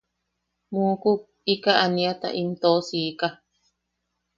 Muukuk, ika aniata im tosika.